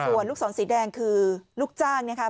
ส่วนลูกศรสีแดงคือลูกจ้างนะคะ